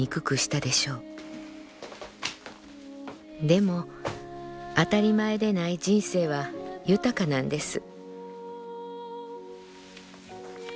でも当たり前で無い人生は豊かなんです」。